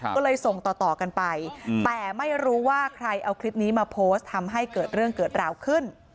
ก็เลยส่งต่อกันไปแต่ไม่รู้ว่าใครเอาคลิปนี้มาโพสต์ทำให้เกิดเรื่องเกิดราวขึ้น